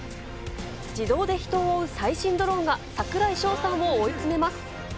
自動で人を追う最新ドローンが、櫻井翔さんを追い詰めます。